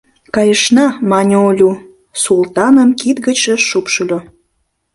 — Кайышна! — мане Олю, Султаным кид гычше шупшыльо.